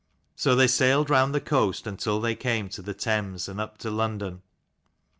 So they sailed round the coast until they came to the Thames, and up to London.